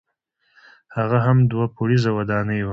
هغه هم دوه پوړیزه ودانۍ وه.